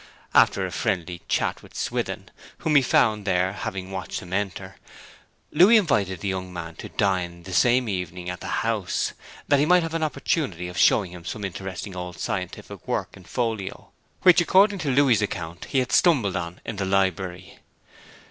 After a friendly chat with Swithin, whom he found there (having watched him enter), Louis invited the young man to dine the same evening at the House, that he might have an opportunity of showing him some interesting old scientific works in folio, which, according to Louis's account, he had stumbled on in the library.